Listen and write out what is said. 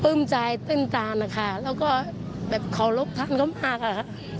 ปื้มใจตื่นตานะคะแล้วก็แบบขอรบท่านก็มากค่ะ